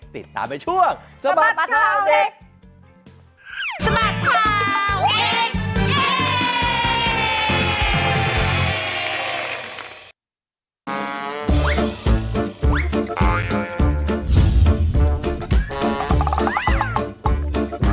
ติดตามในช่วงสมัดข่าวเด็ก